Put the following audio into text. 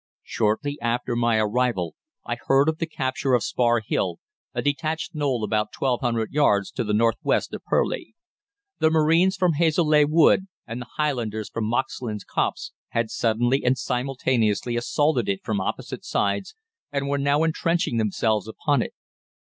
"Shortly after my arrival I heard of the capture of Spar Hill, a detached knoll about 1,200 yards to the north west of Purleigh. The Marines from Hazeleigh Wood and the Highlanders from Mosklyns Copse had suddenly and simultaneously assaulted it from opposite sides, and were now entrenching themselves upon it.